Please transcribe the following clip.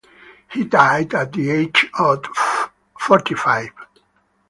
He died at the age of forty-five.